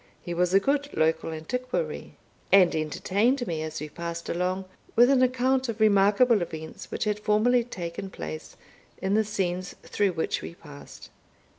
He was a good local antiquary, and entertained me, as we passed along, with an account of remarkable events which had formerly taken place in the scenes through which we passed.